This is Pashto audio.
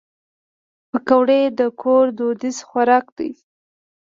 پکورې د کور دودیز خوراک دی